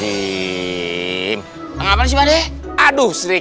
iya ya sudah sikit lah sih